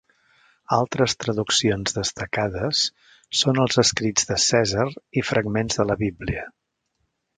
Altres traduccions destacades són els escrits de Cèsar i fragments de la Bíblia.